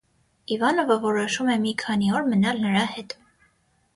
Իվանովը որոշում է մի քանի օր մնալ նրա հետ։